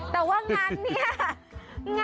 แต่ว่างานนี้